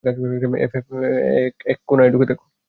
এক এক কোনায় ঢুকে দেখ!